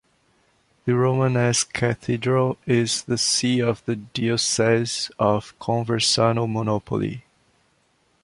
The Romanesque cathedral is the see of the diocese of Conversano-Monopoli.